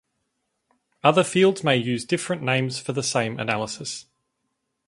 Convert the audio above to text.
Other fields may use different names for the same analysis.